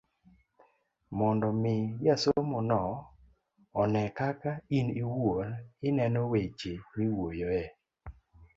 mondo omi jasomono one kaka in iwuon ineno weche miwuoyoe.